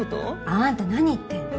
あんたなに言ってんの？